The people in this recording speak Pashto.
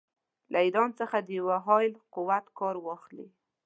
له ایران څخه د یوه حایل قوت کار واخلي.